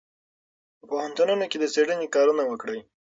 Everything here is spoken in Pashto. په پوهنتونونو کې د څېړنې کارونه وکړئ.